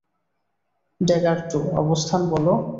Dagger two, অবস্থান বলো?